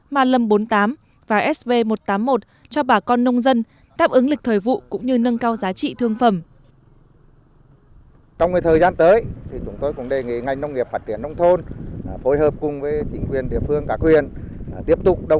ma năm trăm bốn mươi tám và sv một trăm tám mươi một cho bà con nông dân táp ứng lịch thời vụ cũng như nâng cao lúc mùa xuân